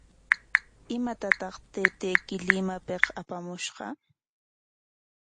¿Imatataq taytayki Limapik apamushqa?